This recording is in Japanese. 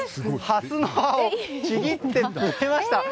ハスの葉をちぎってくれました。